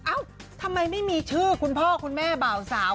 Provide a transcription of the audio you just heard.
เอ้าทำไมไม่มีชื่อคุณพ่อคุณแม่บ่าวสาว